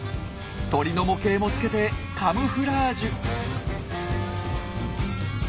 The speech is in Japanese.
鳥の模型もつけてカムフラージュ。